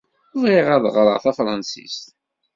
Bɣiɣ ad ɣreɣ tafransist.